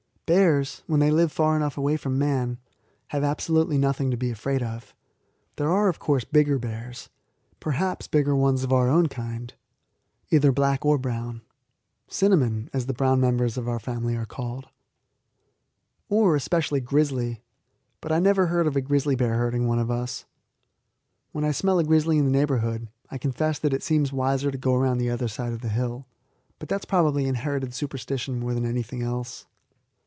Bears, when they live far enough away from man, have absolutely nothing to be afraid of. There are, of course, bigger bears perhaps bigger ones of our own kind, either black or brown ('cinnamon,' as the brown members of our family are called), or, especially, grizzly. But I never heard of a grizzly bear hurting one of us. When I smell a grizzly in the neighbourhood, I confess that it seems wiser to go round the other side of the hill; but that is probably inherited superstition more than anything else.